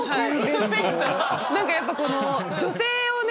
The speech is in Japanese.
なんかやっぱこの女性をね